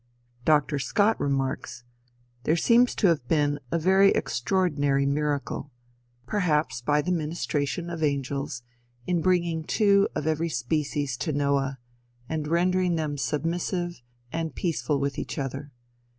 Dr. Scott remarks, "There seems to have been a very extraordinary miracle, perhaps by the ministration of angels, in bringing two of every species to Noah, and rendering them submissive, and peaceful with each other.